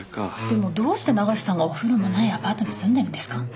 でもどうして永瀬さんがお風呂もないアパートに住んでるんですか？